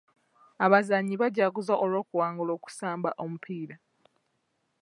Abazannyi baajaguza olw'okuwangula okusamba omupiira.